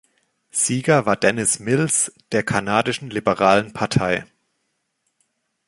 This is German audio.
Sieger war Dennis Mills der kanadischen Liberalen Partei.